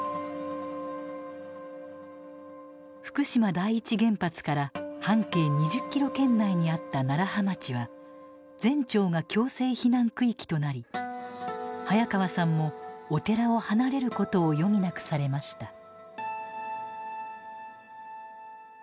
福島第一原発から半径２０キロ圏内にあった楢葉町は全町が強制避難区域となり早川さんもお寺を離れることを余儀なくされました。